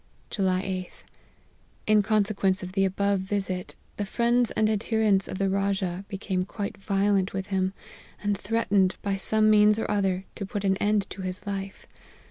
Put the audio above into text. " July 8th. In consequence of the above visit, the friends and adherents of the Rajah became quite violent with him, and threatened, by some means or other, to put an end to his life.